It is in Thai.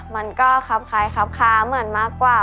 มันก็ครับคล้ายครับค้าเหมือนมากกว่า